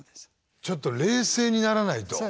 ちょっと冷静にならないと。